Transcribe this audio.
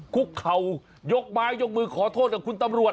คุกเข่ายกไม้ยกมือขอโทษกับคุณตำรวจ